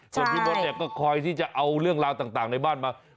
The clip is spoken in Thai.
ส่วนพี่มดเนี่ยก็คอยที่จะเอาเรื่องราวต่างในบ้านมา